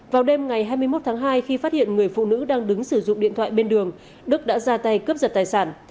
vào đêm ngày hai mươi một tháng hai khi phát hiện người phụ nữ đang đứng sử dụng điện thoại bên đường đức đã ra tay cướp giật tài sản